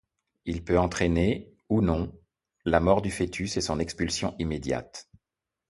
Il peut entraîner, ou non, la mort du fœtus et son expulsion immédiate.